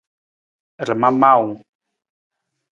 Rama muuwung.